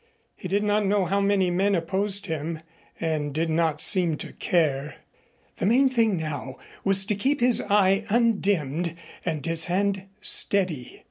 He did not know how many men opposed him and did not seem to care. The main thing now was to keep his eye undimmed and his hand steady.